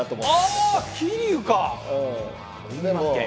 あっ「桐生」か！